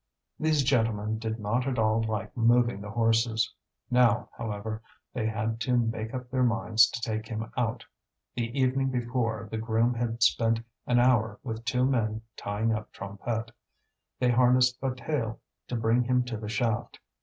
These gentlemen did not at all like moving the horses. Now, however, they had to make up their minds to take him out. The evening before the groom had spent an hour with two men tying up Trompette. They harnessed Bataille to bring him to the shaft.